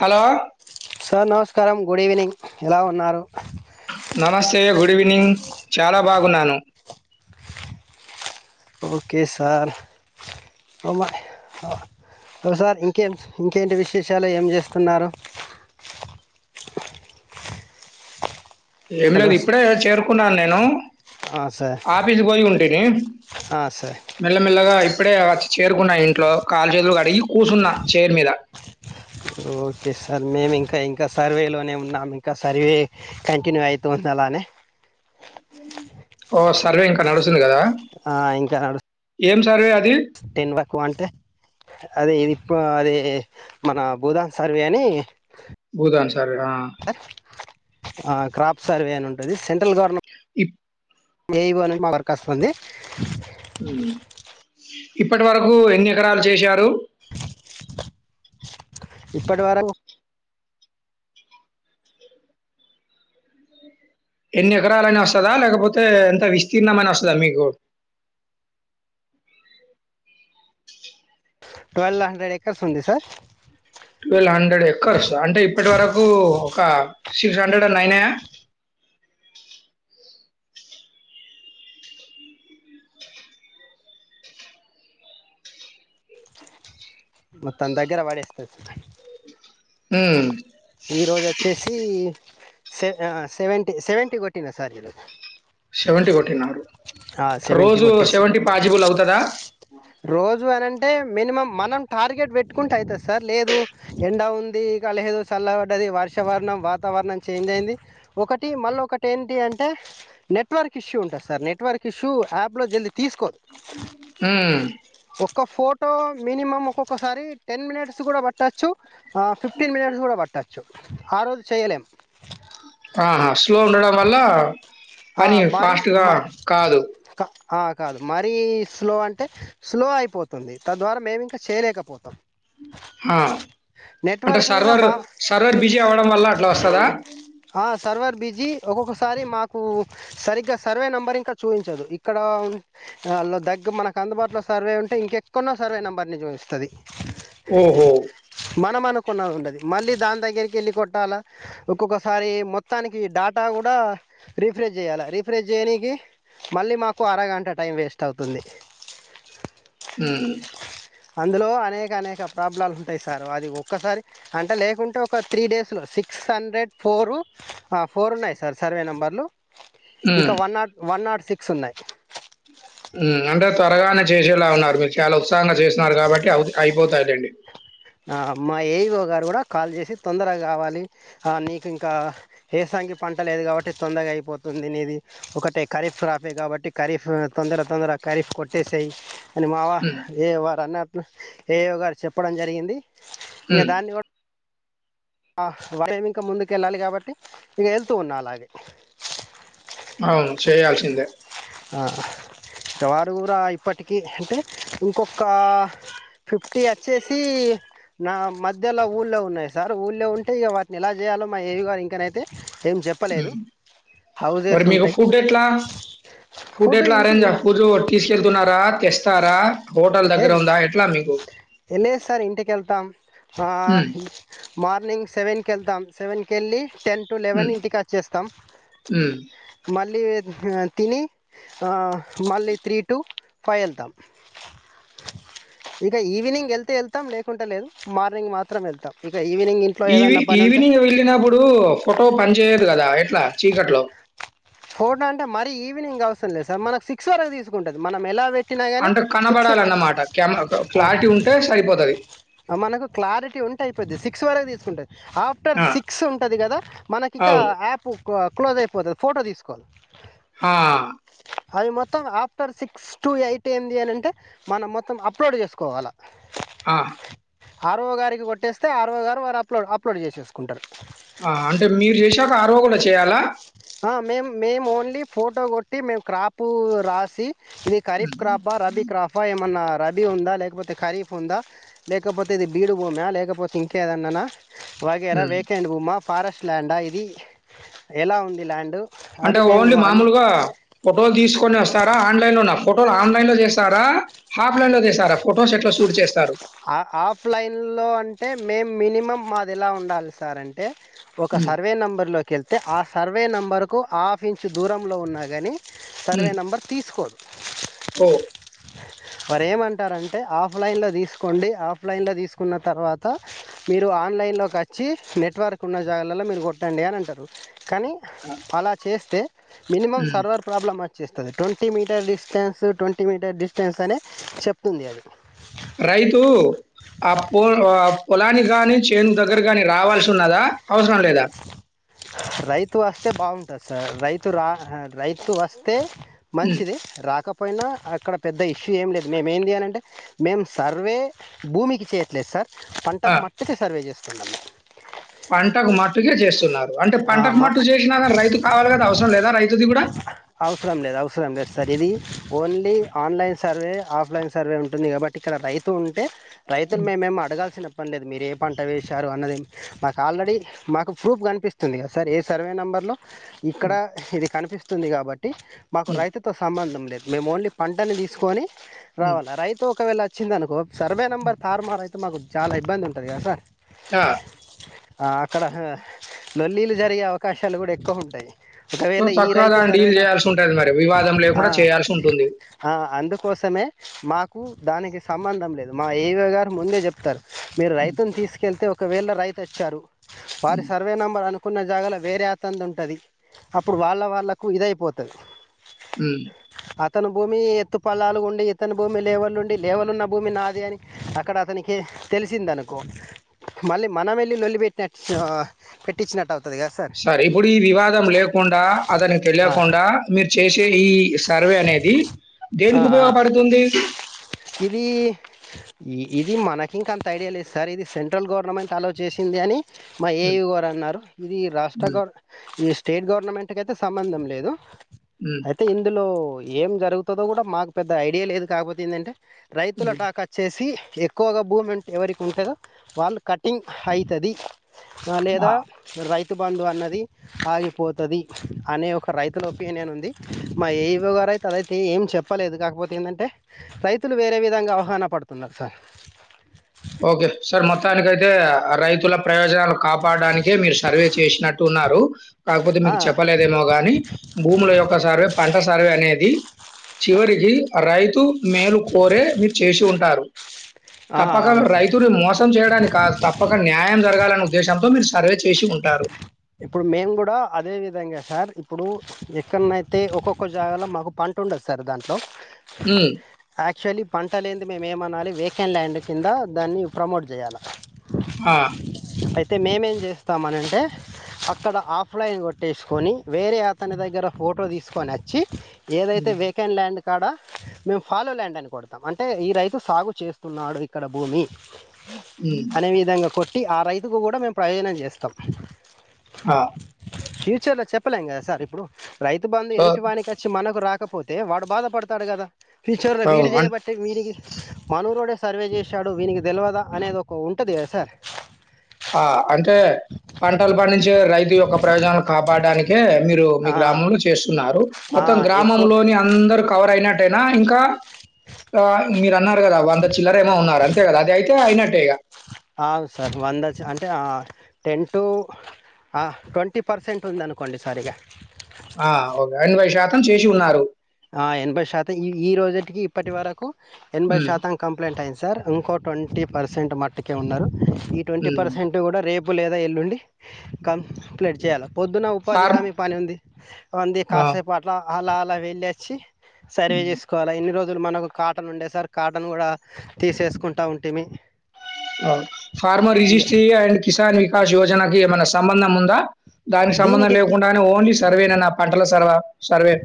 Hello sir నమస్కారం good evening ఎలా ఉన్నారు నమస్తే గుడ్ ఈవినింగ్ చాలా బాగున్నాను ఓకే సార్ సార్ ఇంకేం ఇంకేంటి విశేషాలు ఏం చేస్తున్నారు ఏం హలో లేదు ఇప్పుడే చేరుకున్నాను నేనూ ఆ సార్ ఆఫీస్ బోయ్ ఉంటినీ ఆ సార్ మెల్ల మెల్లగా ఇప్పుడే వచ్చి చేరుకున్నా ఇంట్లో కాళ్లు చేదులు అడిగి కూసున్న చేర్ మీద ఓకే సార్ మేము ఇంకా ఇంకా సర్వేలోనే ఉన్నాము ఇంకా సర్వే కంటిన్యూ ఐతుంది అలానే ఓ సర్వే ఇంకా నడుస్సుంది కదా ఆ ఇంకా నడు ఏం సర్వే అదీ టెన్ వక్ అంటే అదే ఇదిప్పు అదే మన బూదాన్ సర్వే అనీ భూదాన్ సర్వె ఆ సర్వె అ ఉంటది సెంట్రల్ గవర్న్ ఇప్ ఏ ఇవో మా వర్క్ వస్తుంది మ్మ్ ఇప్పటి వరకూ ఎన్ని ఎకరాల్ చేశారు ఇప్పటి వరక్ ఎన్ని ఎకరాలైన వస్తదా లేకపోతే ఎంత విస్తీర్ణం అన వస్తదా మీకు ట్వల్వ్ హండ్రెడ్ ఎకర్స్ ఉంది సార్ ట్వల్వ్ హండ్రెడ్ ఎక్కర్స్ అంటే ఇప్పటి వరకు ఒక సిక్స్ హండ్రెడ్ అన్న అయినయా మొత్తం దగ్గర పడేస్తది సర్ ఈ రోజు వచ్చేసి సెవ సెవెంటీ సెవెంటీ కొట్టినా సార్ ఈ రోజు సెవెంటీ కొట్టినారు సెవెంటీ రోజు కొట్టేసి సెవెంటీ పాజిబుల్ అవుతదా అంటే మినిమం మనం టార్గెట్ పెట్టుకుంటే అయితది సార్ లేదు ఎండ ఉంది ఇక లేదు చల్ల పడ్డది వర్షవరణం వాతావరణం చేంజ్ అయింది ఒకటి మళ్ళ ఒకటి ఏంటి అంటే నెట్వర్క్ ఇష్యూ ఉంటది సార్ నెట్వర్క్ ఇష్యూ యాప్లో జల్ది తీసుకోదు మ్ టో మినిమం ఒక్కొక్కసారి టెన్ మినిట్స్ కూడ పట్టొచ్చు ఆ ఫిఫ్టీన్ మినిట్స్ కూడ పట్టచ్చు ఆరోజు చేయలేము ఆహా! స్లో ఉండడం వల్ల పని ఫాస్ట్గా కాదు కా ఆ కాదు మరీ స్లో అంటే స్లో అయిపోతుంది తద్వారా మేము ఇంకా చేయలేకపోతాం ఆ అంటే నెట్వర్క్ గిన సర్వర్ బా సర్వర్ బిజీ అవ్వడం వల్ల అట్ల వస్తదా ఆ సర్వర్ బీజీ ఒక్కొక్కసారి మాకూ సరిగ్గా సర్వే నెంబర్ ఇంకా చూయించదు ఇక్కడ ఆ ఆళ దగ్గ మనకు అందుబాటులో సర్వే ఉంటే ఇంకెక్కున్న సర్వే నెంబర్ని చూయిస్తది ఓహో! మనం అనుకున్న ఉండది మళ్ళీ దాని దగ్గరికి ఎళ్ళి కొట్టాలా ఒక్కొక్క సారీ మొత్తానికి డాటా కూడా రీఫ్రెజ్ చేయ్యాల రీఫ్రెజ్ చేయనికి మళ్ళీ మాకు అరగంట టైం వేస్ట్ అవుతుంది హ్మ్ అందులో అనేక అనేక ప్రాబ్లాలు ఉంటాయి సార్ అది ఒక్కసారి అంటే లేకుంటే ఒక త్రీ డేస్లో సిక్స్ హండ్రెడ్ ఫోరు అ ఫోర్ ఉన్నాయి సార్ సర్వే నంబర్లు హ్మ్. ఇంకా one nought one nought six సున్నాయ్ మ్మ్ అంటే త్వరగానే చేసేలా ఉన్నారు మీరు చాలా ఉత్సాహంగ చేసినారు కాబట్టి అవుద్ అయిపోతైలేండి ఆ మా ఏఈఓ గారు కూడ కాల్ చేసి తొందరగావాలి హ నీకు ఇంకా ఏసాంగి పంట లేదు కాబట్టి తొందరగా అయిపోతుంది నీది ఒకటే ఖరీఫ్ క్రాఫే కాబట్టి ఖరీఫ్ తొందర తొందర ఖరీఫ్ కొట్టేసేయ్ అని మావా హ్మ్. ఏ వరన్న ఏయో గారు చెప్పడం జరిగింది ఇగ హ్మ్. దాన్ని కూడ ఆ వరేమి ఇంక ముందుకెళ్ళాలి కాబట్టి ఇగ ఎళ్తూ ఉన్నా అలాగే అవును చేయాల్సిందే ఆ ఇక వారు కూడ ఇప్పటికీ అంటే ఇంకొకా ఫిఫ్టీ అచ్చేసీ నా మధ్యలో ఊళ్ళో ఉన్నాయి సార్ ఊళ్ళో ఉంటే ఇక వాటిని ఎలా చేయాలో మా ఏవి గారు ఇంకనైతే ఏం చెప్పలేదు హ్మ్. హౌజెస్ ఉంటాయి ఫూడ్ ఫుడ్ ఎట్లా ఇంటి అరేంజ్ ఇంటి ఫూడ్ తీస్కేల్తున్నారా తీస్ టారా హోటల్ ఏ దగ్గర ఉందా ఎట్లా మీకు లేదు సార్ ఇంటికి వెళ్తాం మ్మ్ మార్నింగ్ సెవెన్కి వెళ్తాం సెవెన్కెళ్ళి, టెన్ టు లెవెన్ హ్మ్. ఇంటికి అచ్చేస్తాం, హ్మ్. మళ్ళీ ఆ తిని ఆ మళ్ళీ త్రీ టు ఫైవ్ ఎళ్తాం. ఇక ఈవినింగ్ ఎళ్తే ఎళ్తాం లేకుంటే లేదు మార్నింగ్ మాత్రం ఎళ్తాం. ఈవి ఈవినింగ్ వెళ్ళినప్పుడు ఫోటో పని చేయదు కదా ఎట్లా? చీకట్లో ఫోటో అంటే మరీ ఈవినింగ్ అవసరం లేదు సార్, మన సిక్స్ వరకు తీసుకుంటది మనం ఎలా పె ట్టినగాని అంటే సిక్స్, కనబడాలన్నమాట. క్యామ క ఆ క్లారిటీ ఉంటే సరిపోతది. మనకు క్లారిటీ ఉంటే అయిపోద్ది, సిక్స్ వరకు తీసుకుంటది. ఆఫ్టర్ ఆ! సిక్స్ ఉంటది కదా, మనకి ఇక అవును. యాప్ కొక్లోజ్ అయిపోతది ఫోటో తీసు కోద్ హా అవి మొత్తం ఆఫ్టర్ సిక్స్ టు ఎయిట్ ఏంది అని అంటే, మనం మొత్తం అప్లోడ్ చేసుకోవాల. ఆ ఆర్ ఓ గారికి కొట్టేస్తే, ఆర్ఓ గారు వారు అప్లో అప్లోడ్ చేసేసుకుంటరు. ఆ అంటే మీరు చేశాక ఆర్ వో కూడ చేయాలా? ఆ మేము మేము ఓన్లీ ఫోటో కొట్టి మేము క్రాపు రాసి, ఇది ఖరీఫ్ హ్మ్. క్రాపా, రబీ క్రాఫా ఏమన్నా రబీ ఉందా, లేకపోతే ఖరీఫ్ ఉందా, లేకపోతే ఇది బీడు బూమ, లేకపోతే ఇంకేదన్ననా. వైగైరా హ్మ్. వేకెండ్ బుమా ఫారెస్ట్ ల్యాండా ఇది, ఎలా ఉం ది ల్యాండ్ అంటే ఓన్లీ మామూలుగా ఫోటోలు తీసుకొని వస్ స్తారా ఆన్లైన్ లోనా, ఫోటోలు ఆన్లైన్ లో చేస్తారా ఆఫ్ లైన్లో చేసారా, ఫోటోస్ ఎట్లా షూట్ చేస్ అ ఆఫ్ లైన్లో అంటే మేమ్ మినిమం మాది ఎలా ఉండాలి సార్ అంటే ఒక హ్మ్. సర్వే నెంబర్ లో కెళ్తే ఆ సర్వే నెంబరుకు హాఫ్ ఇంచు దూరంలో ఉన్నా గని సర్వే నెంబర్ తీసుకోదు. ఓ వారు ఏమంటారంటే, ఆఫ్ లైన్లో తీస్ కోండి ఆఫ్లైన్లో తీసుకున్న తర్వాత, మీరు ఆన్లైన్లోకి అచ్చి నెట్వర్క్ ఉన్న జాగలల్ల మీరు కొట్టండి అని అంటరు. కానీ ఆ! అలా చేస్తే మినిమమ్ హ్మ్. సర్వర్ ప్రాబ్లమ్ అచ్ చ్చేస్తది twenty metre distance, twenty metre distance అనే చెప్తుంది అది. రైతు ఆ పొ ఆ పొలాన్ని గాని, చేను దగ్గర గాని రావాల్సి ఉన్నదా? అవసరం లేదా? రైతు అస్తే బాగుంటది సార్ రైతు రా రైతు వస్తే హ్మ్. మంచిది రాకప్ పోయినా అక్కడ పెద్ద ఇష్యూ ఏం లేదు మేమ్ ఏంది అనంటే మేము సర్వే భూమికి చేయట్లేదు సార్ ఆ! పంటకు మట్టికి సర్వే జేస్ [unintelligible] పంటకు మట్టుకే చేస్సున్నారు అంటే ఆ, పంటకు మా మట్టు చేశ్నా గని రైతు కావాలే గదా అవసరం లేదా రైతుది గుడా అవసరం లేదు అవసరం లేదు సార్ ఇది only online survey offline survey ఉంటుంది కాబట్టి ఇక్కడ రైతు ఉంటె రైతున్ హ్మ్. మేమేం అడగాల్సిన పండే మీరే పంట వేశారు అన్నది మాకు ఆల్రెడీ మాకు ప్రూఫ్ కనిపిస్ ది కద్సార్ ఏ సర్వే నంబర్ లో ఇక్కడ హ్మ్. ఇది కనిపిస్ ది కాబట్ ట్టి మాకు హ్మ్. రైతుతో సంబంధం దు మేమ్ ఓన్లీ పంటని తీస్కొని హ్మ్. రావాల రైతు ఒక్కవేళ అచ్చింది అనుకో సర్వే నంబర్ హ్మ్. తార్మారై తే మాకు చాలా ఇబ్బంది ఉంటది కదా సార్ ఆ ఆ అక్కడా లొల్లీలు జరిగే అవకాశాలు గుడా ఎక్కువ ఉంటయ్ సో, ఒకవేళ ఈ చక్కగా రైతు దాన్ని డీల్ సర్వేన చేయాల్సుంటది మరి. వివాదం ఆ లేకుండా చేయాల్సుంటుంది. ఆ అందుకోసమే మాకు దానికి సంబంధం లేదు మా ఏవో గారు ముందె చెప్తారు మీరు హ్మ్. రైతుని తీస్కేళ్తే ఒక్ ఒకవేళ రైతు ఒచ్చారు వారి హ్మ్. సర్వే నంబ అనుకున్న జాగాల వేరే అతంది ఉంటది అప్పుడు వాళ్ళ వాళ్ళలకు ఇదైపోతది హ్మ్. ఇతను భూమి ఎత్తు పలాలు ఉండి ఇతని భూమి లేవలు ఉండి లేవలు ఉన్న భూమి నాది అని అక్కడ అతనికి తెలిసిందనుకో మళ్ళీ మనం వెళ్ళి లొల్లి పెట్టినటూ టిచినట్టై సరే ఇప్పుడు ఈ వివాదం లేకుండా అతనికి ఆ తెలియకుండా మీరు చేసే ఈ సర్వే అనేది ఆ దేనికి ఆ ఉపయోగపడుతుంది ఇది ఇది మనకి ఇంకంత ఐడియా లేదు సార్ ఇది సెంట్రల్ గవర్నమెంట్ అలో చేసింది అని మా హ్మ్. ఏవిగారన్నార్ ఇది రాష్ట్ర హ్మ్. గవర్న ఇది స్టేట్ గవర్నమెంట్ కయితే స్ సంబంధం లేదు. హ్మ్. అయితే, ఇందులో ఏం జరుగుతదో కూడా, మాకు పెద్దగ ఐడియా లేదు కాబోతే ఏందంటే? హ్మ్. రైతులటాకచ్చేసి ఎక్కువగా భూముంటె, ఎవరికి ఉంటదో వాళ్ళు కటింగ్ అయితది. ఆ లేదా? రైతు బందు అన్నది ఆగిపోతది అనే ఒక రైతుల ఒపీనియన్ ఉంది. మా ఏ ఈ ఓ గారైతే అదైతే ఏం చెప్పలేదు, కాకపోతే ఎందంటే రైతులు వేరే విధంగా అవగాహన పడుతున్నరు సార్. అ రైతుల ప్రయోజనాలక్ కాపాడానికే మీరు సర్వే చేసినట్టు ఉన్నారు? కాకపోతే ఆ మీకు చెప్పలేదేమో కానీ, భూముల యొక్క సర్వే పంట సర్వే అనేది చివరికి అ రైతు మేలు కోరే, మీరు చేసి ఉంటారు! ఆ పక్కగా అవును సార్ రైతుని మోసం చేయడానికి కాద్ తప్పక న్యాయం జరగాలనే ఉద్దేశంతో మీర్ సర్వే చే ఇప్పుడు మేము కూడా, అదే విధంగా సార్. ఇప్పుడు ఎక్కడ్నయితే ఒక్కొక్క జాగల మాకు పంటుండదు సార్ దాంట్లో. హ్మ్. అక్చుఅల్లీ పంట లేంది మేమేమనాలి, వేకెండ్ ల్యాండ్ కింద దాన్ని ప్రమోట్ చేయాల. హా తె మేమేం చేస్ స్తామనన్టే అక్కడ ఆఫ్లైన్ కొట్టేసుకొని. వేరే అతని దగ్గర, ఫోటో తీస్ సుకొనచ్చి ఏదైతే హ్మ్. వేకెండ్ ల్యాండ్ క్కడ మేము ఫాలో ల్యాండ్ అని కొడతాం. అంటే ఈ రైతు సాగు చేస్తున్నాడు ఇక్కడ భూమి. ఉమ్ ట్టి ఆ రైతుకు కూడ, మేము ప్రయోజనం చేస్ తం ఆ ఫ్యూచర్ లో చెప్పలేం కదా సార్, ఇప్పుడు రైతు బంధు సో ఎదుటి వానికచ్చి మనకు రాక్ కపోతే వాడు బాధపడతాడు గదా? ఫ్యూచర్ల వీడు అవును. అన్ చేయబట్టే వీడికి మనూరోడే సర్వే చేశాడు, వీనికి తెల్వదా? అనేది ఒక ఉంటుంది కదా సార్. ఆ, అంటే? పంటలు పండించే రైతు యొక్క ప్రయోజనాలు కాపాడడానికే మీరు మీ ఆ గ్రామంలో చేస్తున్నారు ఆ మొత్తం ఎక్కువ గ్రామంలోని అందర్ కా వర్ అయినట్టేనా ఇంకా ఆ మీరు అన్నారు కదా అంత చిల్లర ఏమో ఉన్నారు అంతే కదా అది అయితే అయినట్టేగా ఆవ్ సార్ వందచ్చ అంటే టెన్ టు హ ట్వంటీ పర్సెంట్ ఉందినుకోండి సార్ ఇక ఆ ఎనభై శాతం చేసి ఉన్నారు ఆ ఎనభై శాతం ఈ ఈ రోజుటికి ఇప్పటి వరకు ఎనభై హ్మ్. శాతం కంప్లైంట్ అయింది సార్ ఇంకో ట్వంటీ పర్సెంట్ మట్టుకే ఉన్నరు ఈ ట్వంటీ హ్మ్. పర్సెంట్ గుడా రేప్ ఉప్పు లేదా ఎల్లుండి క ప్లెట్ చేయాల పొద్దున ఉపాధి ఫార్మ్ హామీ పని ఉంది అంది ఆ! కాసేపు అట్ల అలా అలా వెళ్ళే చ్చి సర్వే హ్మ్. చేసుకోవాలా ఇన్ని రోజ్ మనకు కాటన్ ఉండే సార్ కాటన్ గుడా తీసేసుకుంటా ఉంటిమి ఫార్మ ఇక రిజిస్టీ అండ్ కస ఆకాశ యోజనకి ఏమైనా సంబంధం ఉందా దానిక్ సంబంధం దీనికి లేకుండానే ఓన్లీ సర్వే నన్న ఆ పంటల సర్వా సర్వే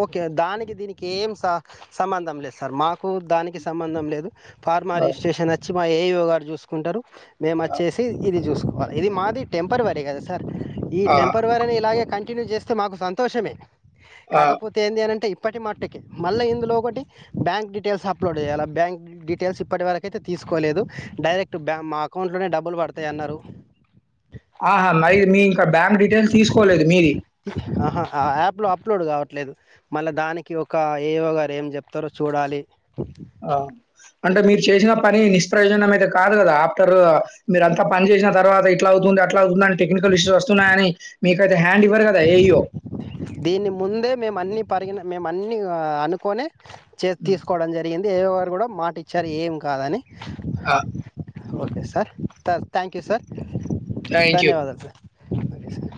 ఓకే దానికి దీనికి ఏం సా సంబంధం లేద్ సార్ మాకు దానికి సంబంధం లేదు ఫార్మా ఆ! రిజిస్టేషనచ్చి మా ఏయో గారు చూసు చూకుంటరు మేము వచ్చేసి ఇది చూసుకోవాలి ఇది మాది టెంపర్వరీ కదా సార్ ఈ ఆ! టెంపర్ వరని ఇలాగే కంటిన్యూ చేస్తే మాకు సంతోషమే ఆ! కాకపోతే ఏంది అనింటే ఇప్పటి మట్టుకె మళ్ళీ ఇందులో ఒకటి బ్యాంక్ డీటెయిల్స్ అప్లోడ్ చేయాలె బ్యాంక్ డీటెయిల్స్ ఇప్పటివరకు అయితే తీసుకోలేదు డైరెక్ట్ బ్యా మా అకౌంట్లోనే డబ్బులు పడతాయ్ అన్నరు ఆహా మరి మీ ఇంకా బ్యాంక్ డీటెయిల్స్ తీసుకోలేదు మీరి ఆహా ఆ యాప్ లో అప్లోడ్ కావల్ లేదు మళ్ళీ దానికి ఒక ఏవో గారు ఏం చెప్తరొ చూడాలి హా అంటే మీరు చేసిన పని నిష్ప్రయోజనం అయితే కాదు కదా ఆఫ్టర్ మీరు అంత పని చేసిన తర్వాత ఇట్లా అవుతుంది అట్లా అవుందని టెక్నికల్ ఇష్యూస్ వస్తున్నాయని మీకా దీని ముందే మేము అన్ని పరిగిన మేము అన్నీ అనుకోనే చేసి హ్మ్. తీసుకోవడం జరిగింది అవే వారు కూడా మాట ఇచ్చారు ఏం కాదని ఆ okay sir thank you sir thank you. ధన్యవాదాలు భగే సార్